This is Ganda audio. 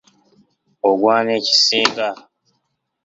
Oggwana ekisinga.